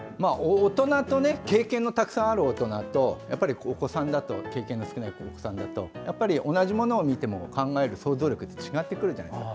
経験のたくさんある大人と経験が少ないお子さんだとやっぱり同じものを見ても考える想像力が違ってくるじゃないですか。